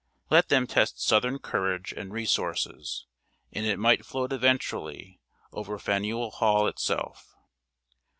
Let them test Southern courage and resources, and it might float eventually over Faneuil Hall itself.